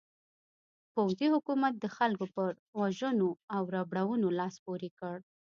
پوځي حکومت د خلکو پر وژنو او ربړونو لاس پورې کړ.